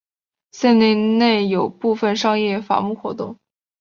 森林内有部分商业伐木活动。